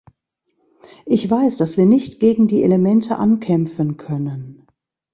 Ich weiß, dass wir nicht gegen die Elemente ankämpfen können.